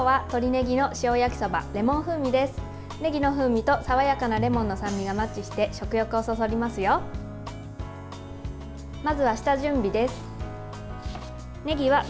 ねぎの風味と爽やかなレモンの酸味がマッチして食欲をそそりますよ。